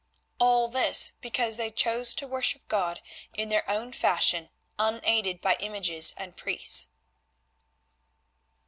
All this because they chose to worship God in their own fashion unaided by images and priests.